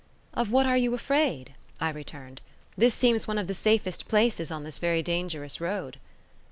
"Of what are you afraid?" I returned. "This seems one of the safest places on this very dangerous road."